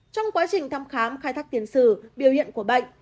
trong quá trình thăm khám khai thác tiền sử biểu hiện của bệnh